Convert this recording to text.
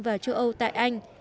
và châu âu tại anh